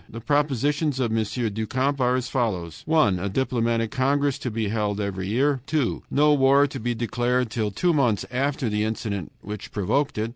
The propositions of M. du Camp are as follows: 1. A diplomatic congress to be held every year. 2. No war to be declared till two months after the incident which provoked it.